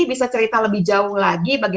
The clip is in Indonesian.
bisa cerita lebih jauh lagi bagi